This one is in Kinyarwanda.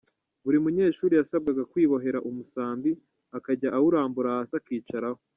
Buri munyeshuri yasabwaga kwibohera umusambi akajya awurambura hasi akicaraho.